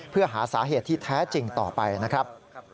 เพื่อหาสาเหตุที่แท้จริงต่อไปนะครับ